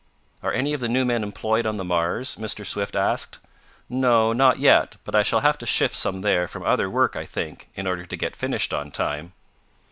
"Are any of the new men employed on the Mars?" Mr. Swift asked. "No, not yet, but I shall have to shift some there from other work I think, in order to get finished on time."